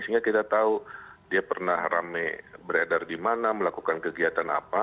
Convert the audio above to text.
sehingga kita tahu dia pernah rame beredar di mana melakukan kegiatan apa